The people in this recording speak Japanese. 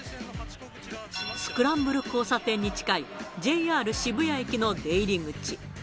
スクランブル交差点に近い、ＪＲ渋谷駅の出入り口。